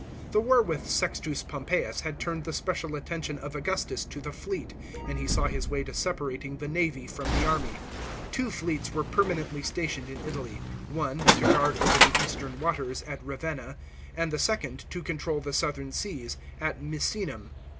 The war with Sextus Pompeius had turned the special attention of Augustus to the fleet, and he saw his way to separating the navy from the army. Two fleets were permanently stationed in Italy ; one, to guard over the eastern waters, at Ravenna, and the second, to control the southern seas, at Misenum.